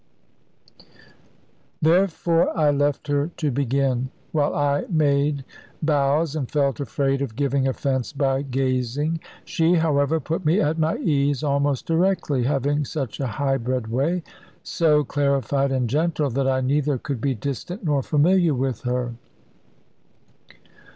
Therefore I left her to begin; while I made bows, and felt afraid of giving offence by gazing. She, however, put me at my ease almost directly, having such a high bred way, so clarified and gentle, that I neither could be distant nor familiar with her.